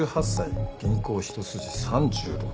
銀行一筋３６年。